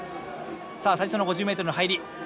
さあ最初の５０ｍの入り。